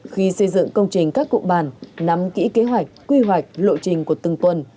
khi xây dựng công trình các cục bản nắm kỹ kế hoạch quy hoạch lộ trình của từng tuần